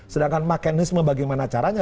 sedangkan mekanisme bagaimana caranya